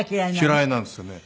嫌いなんですよね。